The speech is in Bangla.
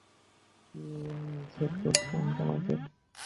কি নিষেধ করেছিলাম তোমাকে?